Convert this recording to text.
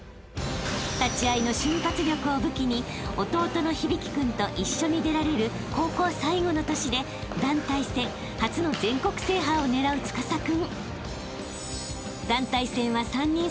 ［立ち合いの瞬発力を武器に弟の響君と一緒に出られる高校最後の年で団体戦初の全国制覇を狙う司君］